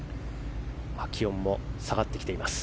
気温も下がっています。